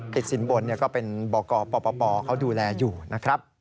สินบนก็เป็นบกปปเขาดูแลอยู่นะครับ